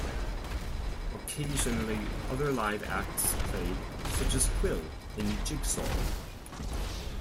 Occasionally other live acts played such as Quill and Jigsaw.